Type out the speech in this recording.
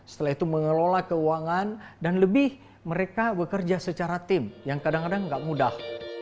setelah itu mengelola keuangan dan lebih mereka bekerja secara tim yang kadang kadang gak mudah